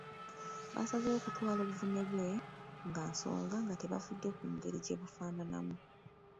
Baasazeewo okutwala obuvune bwe nga nsonga nga tebafudde ku ngeri gye bufaananamu.